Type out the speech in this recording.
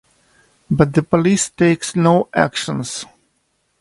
But the police takes no actions.